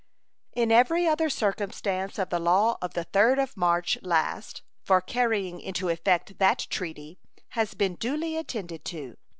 In every other circumstance of the law of the 3rd of March last, for carrying into effect that treaty, has been duly attended to.